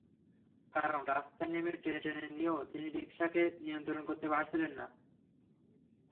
কারণ, রাস্তায় নেমে টেনে টেনে নিয়েও তিনি রিকশাকে নিয়ন্ত্রণ করতে পারছিলেন না।